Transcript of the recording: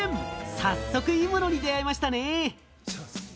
早速いいものに出会いましたね。